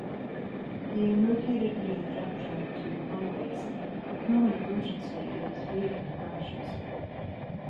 Being located near the junction of two highways, a common emergency is vehicle crashes.